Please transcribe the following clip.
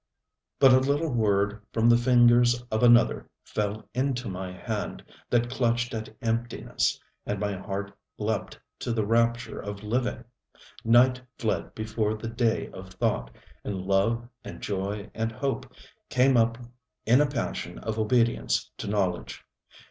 ŌĆØ But a little word from the fingers of another fell into my hand that clutched at emptiness, and my heart leaped to the rapture of living. Night fled before the day of thought, and love and joy and hope came up in a passion of obedience to knowledge.